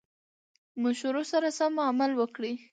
مشورو سره سم عمل وکړي.